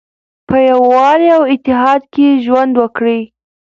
په یووالي او اتحاد کې ژوند وکړئ.